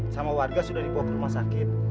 sama warga sudah dibawa ke rumah sakit